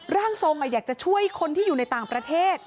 ร่างทรงอยากจะช่วยคนที่อยู่ในต่างประเทศ